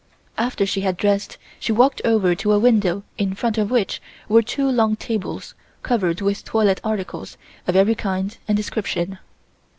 After she had dressed she walked over to a window in front of which were two long tables covered with toilet articles of every kind and description.